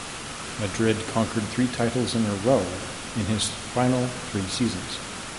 Madrid conquered three titles in a row in his final three seasons.